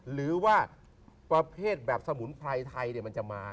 หรือว่าประเภทแบบสมุนไพรไทยมันจะมา